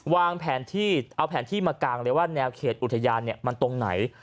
วางแผนที่เอาแผนที่มากางเลยว่าแนวเขตอุทยานมันตรงไหน